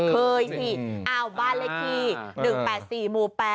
เคยสิอ้าวบ้านเล็กที๑๘๔หมู่๘